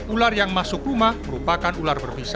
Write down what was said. ular yang masuk rumah merupakan ular berbisa